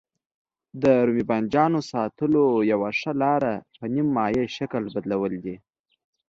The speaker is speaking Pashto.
د رومي بانجانو ساتلو یوه ښه لاره په نیم مایع شکل بدلول دي.